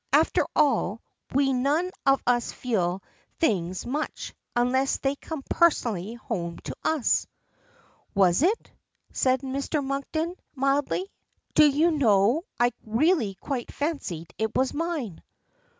After all we none of us feel things much, unless they come personally home to us. "Was it?" says Mr. Monkton mildly. "Do you know, I really quite fancied it was mine."